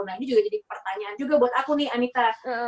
nah ini juga jadi pertanyaan juga buat aku nih anita